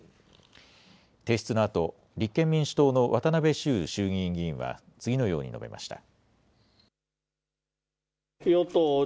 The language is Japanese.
提出のあと立憲民主党の渡辺周衆議院議員は次のように述べました。